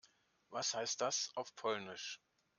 Was heißt das auf Polnisch?